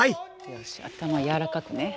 よし頭やわらかくね。